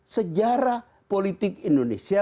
sejarah politik indonesia